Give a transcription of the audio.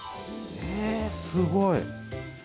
えっ、すごい！